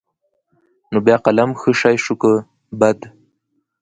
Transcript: نو بيا قلم ښه شى شو که بد.